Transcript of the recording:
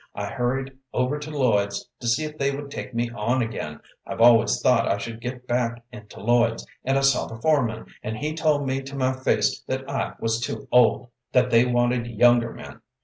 I hurried over to Lloyd's to see if they would take me on again; I've always thought I should get back into Lloyd's, and I saw the foreman, and he told me to my face that I was too old, that they wanted younger men.